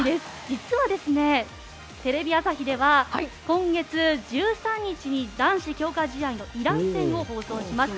実は、テレビ朝日では今月１３日に男子強化試合のイラン戦を放送します。